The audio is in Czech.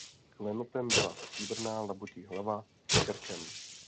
Klenotem byla stříbrná labutí hlava s krkem.